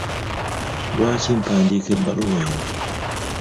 Lwaki mpandiika ebbaluwa eno?